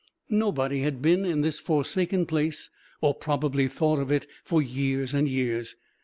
Nobody had been in this forsaken place or probably thought of it for years and years.